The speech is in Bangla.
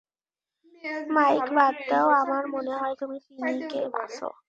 মাইক বাদ দেও, আমার মনে হয় তুমি পিনিকে আছো।